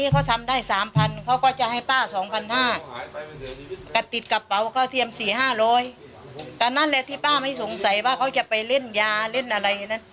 พ่อไม่สงสัยว่าเขาจะไปเล่นยาเล่นอะไรนะ